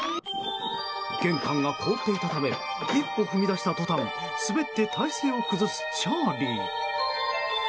玄関が凍っていたため一歩踏み出した途端滑って体勢を崩すチャーリー。